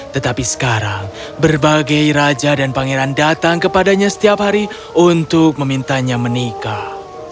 tetapi sekarang berbagai raja dan pangeran datang kepadanya setiap hari untuk memintanya menikah